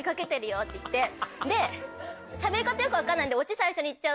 しゃべり方よく分かんないんで。